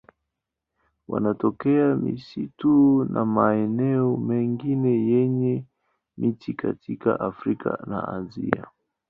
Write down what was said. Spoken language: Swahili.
Wanatokea misitu na maeneo mengine yenye miti katika Afrika na Asia.